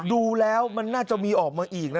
ดูแล้วมันน่าจะมีออกมาอีกนะ